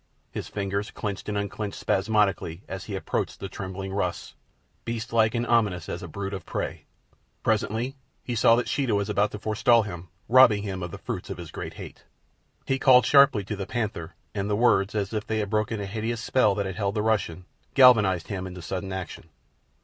His fingers clenched and unclenched spasmodically as he approached the trembling Russ, beastlike and ominous as a brute of prey. Presently he saw that Sheeta was about to forestall him, robbing him of the fruits of his great hate. He called sharply to the panther, and the words, as if they had broken a hideous spell that had held the Russian, galvanized him into sudden action.